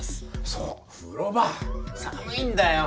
そう風呂場寒いんだよ